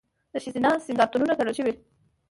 د ښځینه سینګارتونونه تړل شوي؟